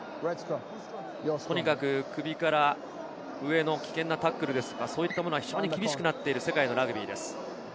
とにかく首から上の危険なタックルですとか、そういったものは非常に厳しくなっている世界のラグビーです。